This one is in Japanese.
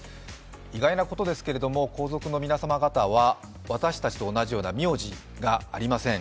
意外なことですけれども、皇族の皆様方は私たちと同じような名字はありません。